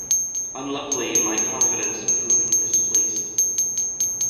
Unluckily, my confidence proved misplaced.